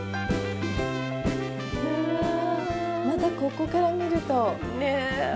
またここから見るとねえ。